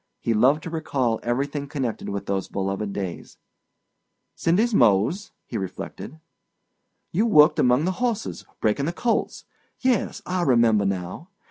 He loved to recall everything connected with those beloved days. "Cindy's Mose," he reflected. "You worked among the horses—breaking the colts. Yes, I remember now.